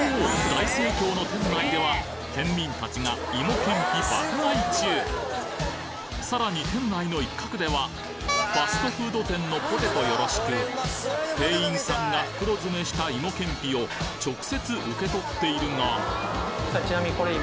大盛況の店内では県民たちが芋けんぴ爆買い中さらに店内の一角ではファストフード店のポテトよろしく店員さんが袋詰めした芋けんぴを直接受け取っているがちなみにこれ今。